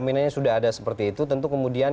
nominalnya sudah ada seperti itu tentu kemudian